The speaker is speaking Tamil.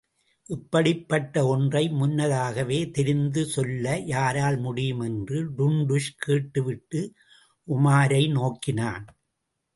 இப்படிப்பட்ட ஒன்றை முன்னதாகவே தெரிந்து சொல்ல யாரால் முடியும் என்று டுன்டுஷ் கேட்டுவிட்டு உமாரை நோக்கினான்.